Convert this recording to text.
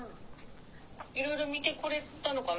いろいろ見てこれたのかな？